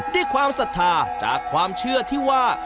ความศรัทธาจากความเชื่อที่ว่า